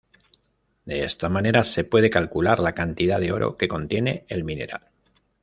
De esta manera se puede calcular la cantidad de oro que contiene el mineral.